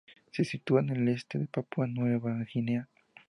Se sitúa al este de Papúa Nueva Guinea.